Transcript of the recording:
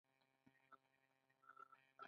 خلک د خپل بالقوه قدرت په اړه پوره ډاډمن کیږي.